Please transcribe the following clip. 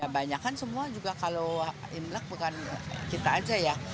banyak kan semua juga kalau imlek bukan kita aja ya